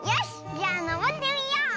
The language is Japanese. じゃあのぼってみよう！